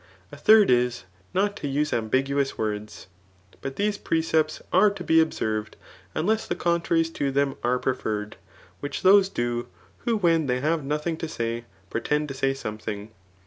^ A third ly not to use ambiguous words. But diese precepts are to be observed, unless the contraries to them are pre« ferred, which those do, who when they have nothing to sty, pretend to say something.